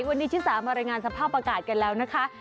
วันนี้ชิสามารายงานสภาพอากาศกันแล้วนะคะ